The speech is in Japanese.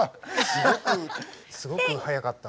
すごくすごく早かった。